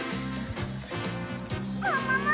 ももも！